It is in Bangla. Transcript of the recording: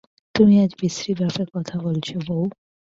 তুমি আজ বিশ্রীভাবে কথা বলছ বৌ।